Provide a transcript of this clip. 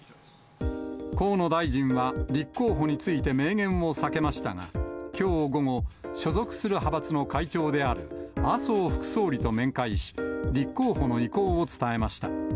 河野大臣は立候補について明言を避けましたが、きょう午後、所属する派閥の会長である麻生副総理と面会し、立候補の意向を伝えました。